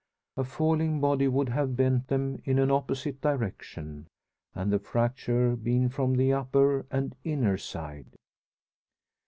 A falling body would have bent them in an opposite direction, and the fracture been from the upper and inner side!